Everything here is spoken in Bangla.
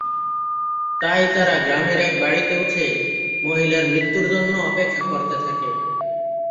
তাই তারা গ্রামের এক বাড়িতে উঠে মহিলার মৃত্যুর জন্য অপেক্ষা করতে থাকে।